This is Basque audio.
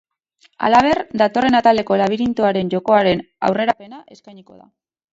Halaber, datorren ataleko labirintoaren jokoaren aurrerapena eskainiko da.